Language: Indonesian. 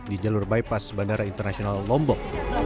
di jalur bypass bandara internasional lombok